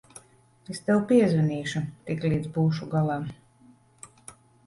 Es tev piezvanīšu, tiklīdz būšu galā.